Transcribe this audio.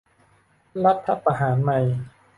รัฐประหารใหม่